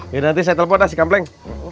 ya nanti saya telepon dah si kampleng